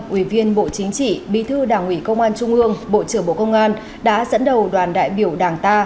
ủy viên bộ chính trị bí thư đảng ủy công an trung ương bộ trưởng bộ công an đã dẫn đầu đoàn đại biểu đảng ta